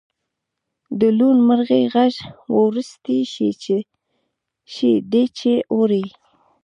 د لوون مرغۍ غږ وروستی شی دی چې اورئ